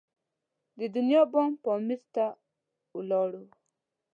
د دنیا بام پامیر ته ولاړو.